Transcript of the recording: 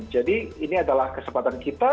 jadi ini adalah kesempatan kita